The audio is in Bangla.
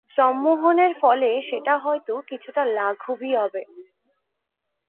সম্মোহনের ফলে সেটা হয়তো কিছুটা লাঘবই হবে।